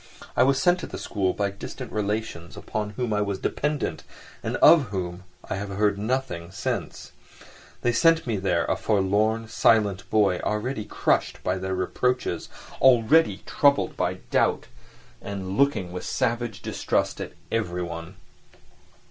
I was sent to the school by distant relations, upon whom I was dependent and of whom I have heard nothing since—they sent me there a forlorn, silent boy, already crushed by their reproaches, already troubled by doubt, and looking with savage distrust at everyone.